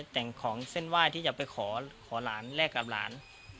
แต่งของเส้นไหว้ที่จะไปขอหลานแลกกับหลาน